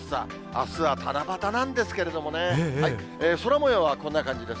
あすは七夕なんですけれどもね、空もようはこんな感じです。